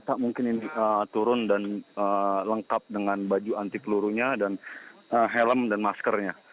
pak mungkin ini turun dan lengkap dengan baju anti pelurunya dan helm dan maskernya